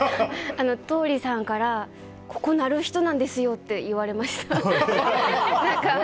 桃李さんからここ鳴る人なんですよって言われました。